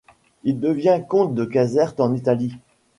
Il devient comte de Caserte en Italie.